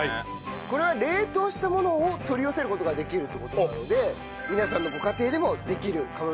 これは冷凍したものを取り寄せる事ができるって事なので皆さんのご家庭でもできる釜飯になっております。